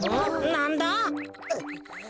なんだ？